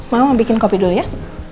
mau bikin kopi dulu ya